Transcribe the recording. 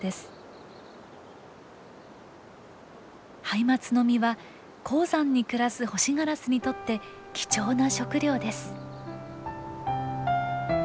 ハイマツの実は高山に暮らすホシガラスにとって貴重な食料です。